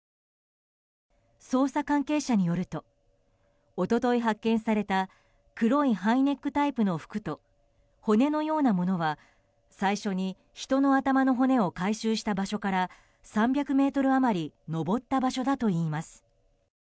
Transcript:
捜査関係者によると一昨日、発見された黒いハイネックタイプの服と骨のようなものは最初に人の頭の骨を回収した場所から３００ｍ余り登った場所だといいます。